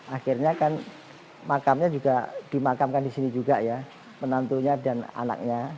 akhirnya kan makamnya juga dimakamkan di sini juga ya menantunya dan anaknya